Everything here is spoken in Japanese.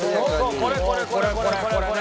これこれこれこれ！